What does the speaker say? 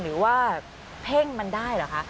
หรือว่าเพ่งมันได้เหรอคะ